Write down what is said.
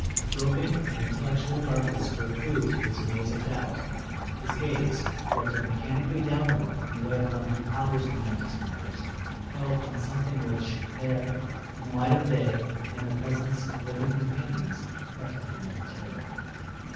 Groping in intellectual darkness for a clew to his maze of doubt, his gaze, directed mechanically downward in the way of one who ponders momentous matters, fell upon something which, there, in the light of day and in the presence of living companions, affected him with terror.